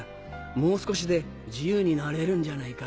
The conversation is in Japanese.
もう少しで自由になれるんじゃないか。